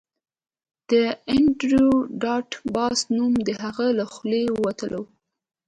د انډریو ډاټ باس نوم د هغه له خولې وتلی و